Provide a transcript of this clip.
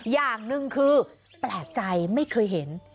อย่างหนึ่งคือแปลกใจไม่เคยเห็น